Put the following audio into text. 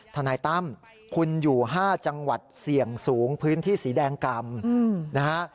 ทนายตั้มคุณอยู่๕จังหวัดเสี่ยงสูงพื้นที่สีแดงกำนะฮะ